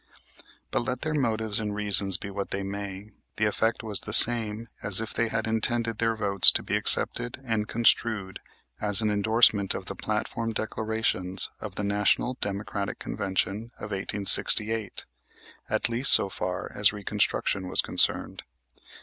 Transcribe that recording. But, let their motives and reasons be what they may, the effect was the same as if they had intended their votes to be accepted and construed as an endorsement of the platform declarations of the National Democratic Convention of 1868, at least so far as Reconstruction was concerned.